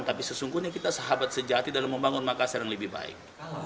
tapi sesungguhnya kita sahabat sejati dalam membangun makassar yang lebih baik